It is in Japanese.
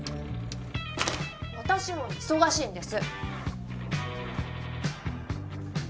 私も忙しいんです。